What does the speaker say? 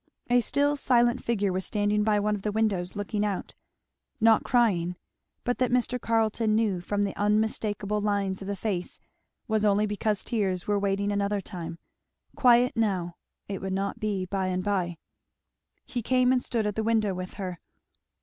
A still silent figure was standing by one of the windows looking out. Not crying; but that Mr. Carleton knew from the unmistakable lines of the face was only because tears were waiting another time; quiet now, it would not be by and by. He came and stood at the window with her.